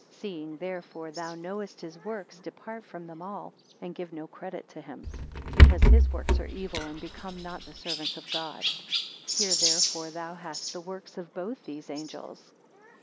Seeing therefore thou knowest his works, depart from them all, and give no credit to him: because his works are evil, and become not the servants of God. 15 Here therefore thou hast the works of both these angels.